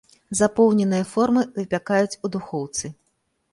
Запоўненыя формы выпякаюць у духоўцы.